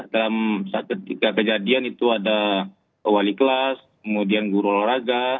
dalam ketika kejadian itu ada wali kelas kemudian guru olahraga